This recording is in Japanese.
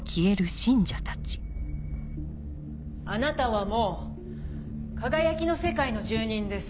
あなたはもう「かがやきの世界」の住人です。